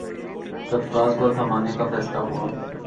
سرفراز کو تھمانے کا فیصلہ ہوا۔